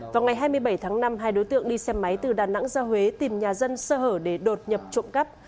vào ngày hai mươi bảy tháng năm hai đối tượng đi xe máy từ đà nẵng ra huế tìm nhà dân sơ hở để đột nhập trộm cắp